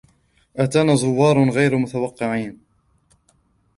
أتانا زوّارٌ غيرُ متوقعين.